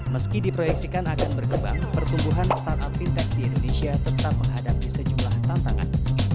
meski diproyeksikan akan berkembang pertumbuhan startup fintech di indonesia tetap menghadapi sejumlah tantangan